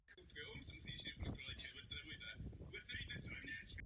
Do současnosti se z ní dochoval pouze starý a nový hřbitov.